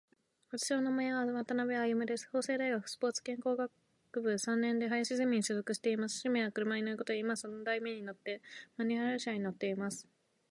私の名前は渡辺歩です。法政大学スポーツ健康学部三年で林ゼミに所属しています。趣味は車に乗ることで、今は三台目に乗っていて、マニュアル車に乗っています。アメ車に乗っていた経験もあります。